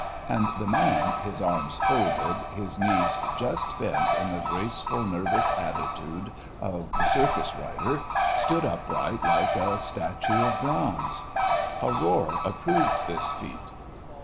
And the man, his arms folded, his knees just bent in the graceful nervous attitude of the circus rider, stood upright like a statue of bronze. A roar approved this feat.